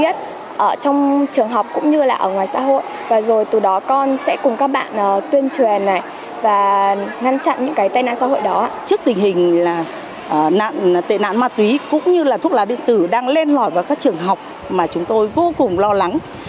trước tình hình tệ nạn ma túy cũng như thuốc lá điện tử đang lên lõi vào các trường học mà chúng tôi vô cùng lo lắng